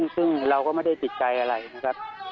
ซึ่งเราก็ไม่ได้ติดใจอะไรนะครับ